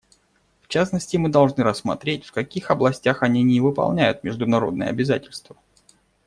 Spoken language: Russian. В частности, мы должны рассмотреть, в каких областях они не выполняют международные обязательства.